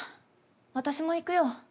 私も行くよ。